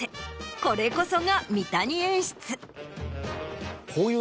これこそが三谷演出。